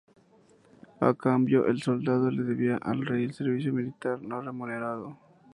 A cambio, el soldado le debía al rey servicio militar no remunerado.